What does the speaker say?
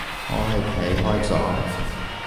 我係睇開咗